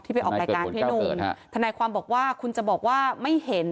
ไปออกรายการพี่หนุ่มทนายความบอกว่าคุณจะบอกว่าไม่เห็น